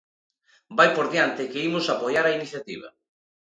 Vaia por diante que imos apoiar a iniciativa.